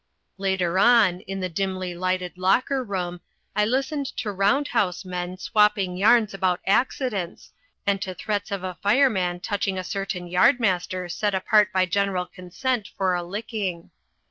Later on, in the dimly lighted locker room, I listened to round house men swapping yarns about accidents, and to threats of a fireman touching a certain yardmaster set apart by general consent for a licking.